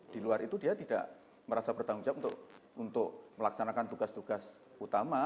di luar itu dia tidak merasa bertanggung jawab untuk melaksanakan tugas tugas utama